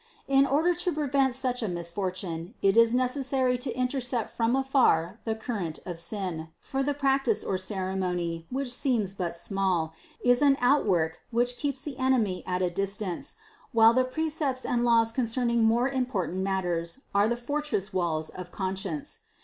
In order to prevent such a misfortune it is neces sary to intercept from afar the current of sin, for the prac tice or ceremony, which seems but small, is an outwork which keeps the enemy at a distance, while the precepts and laws concerning more important matters are the for tress walls of conscience.